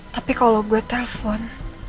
tapi kalau gue telepon